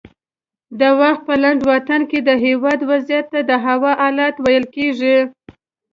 د وخت په لنډ واټن کې دهوا وضعیت ته د هوا حالت ویل کېږي